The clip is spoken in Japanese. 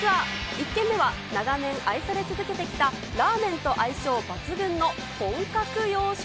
１軒目は長年愛されて続けてきたラーメンと相性抜群の本格洋食。